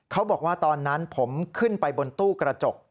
เขาบอกว่าตอนนั้นผมขึ้นไปบนตู้กระจก